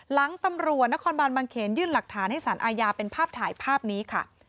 หลังตำรวจนครบานบางเขนยื่นหลักฐานให้สารอาญาเป็นภาพถ่ายภาพนี้ค่ะ